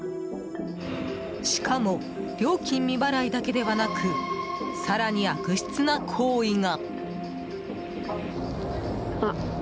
しかも、料金未払いだけではなく更に悪質な行為が。